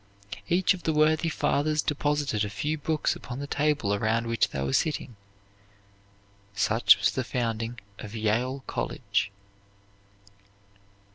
Each of the worthy fathers deposited a few books upon the table around which they were sitting; such was the founding of Yale College.